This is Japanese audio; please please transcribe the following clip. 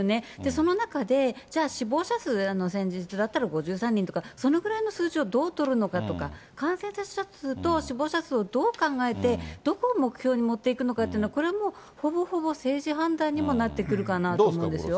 その中で、じゃあ、死亡者数、先日だったら５３人とか、そのぐらいの数字をどう取るのかとか、感染者数と死亡者数をどう考えて、どこを目標に持っていくのかというのを、これもほぼほぼ政治判断にもなってくるかなと思うんですよ。